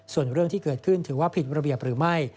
ส่วนเรื่องที่เกิดขึ้นถือว่าผิดระเบียบหรือไม่